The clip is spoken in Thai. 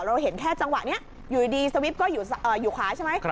เราเห็นแค่จังหวะนี้อยู่ดีสวิปก็อยู่ขวาใช่ไหม